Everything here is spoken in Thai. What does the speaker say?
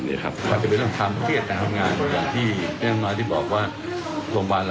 เราจะไปเริ่มทำเรียนการทำงาน